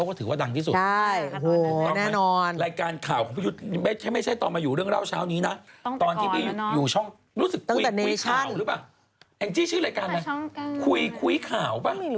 คือดูหลายประเด็นไม่เฉพาะกันเมืองเหมือนกัน